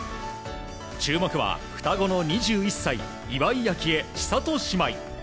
注目は双子の２１歳岩井明愛、千怜姉妹。